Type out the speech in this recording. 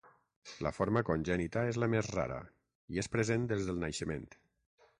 La forma congènita és la més rara, i és present des del naixement.